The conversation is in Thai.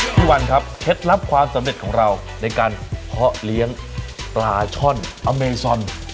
วันครับเคล็ดลับความสำเร็จของเราในการเพาะเลี้ยงปลาช่อนอเมซอน